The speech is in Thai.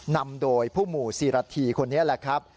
นำโดยผู้หมู่ซีรธีคนนี้แหละครับ